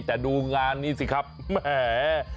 แต่ดูงานนี้สิครับแหม